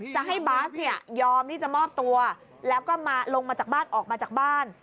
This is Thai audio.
จะให้บาสเนี่ยยอมที่จะมอบตัวแล้วก็มาลงมาจากบ้านออกมาจากบ้าน